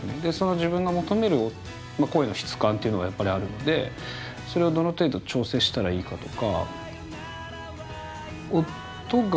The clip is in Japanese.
自分が求める声の質感というのがやっぱりあるのでそれをどの程度調整したらいいかとか。